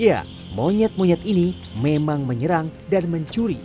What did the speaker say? ya monyet monyet ini memang menyerang dan mencuri